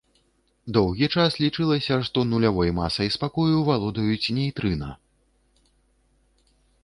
Доўгі час лічылася, што нулявой масай спакою валодаюць нейтрына.